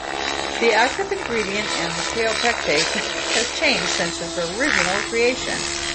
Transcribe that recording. The active ingredient in kaopectate has changed since its original creation.